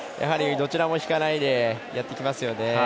どちらも引かないでやってきますよね。